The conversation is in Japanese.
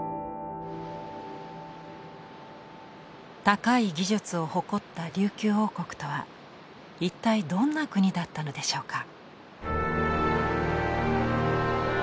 高い技術を誇った琉球王国とは一体どんな国だったのでしょうか。